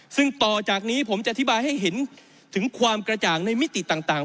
ซึ่งต่อจากนี้ผมจะอธิบายให้เห็นถึงความกระจ่างในมิติต่าง